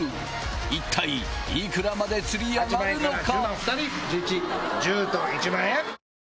一体いくらまでつり上がるのか？